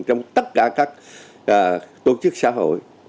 trong tất cả các tổ chức xã hội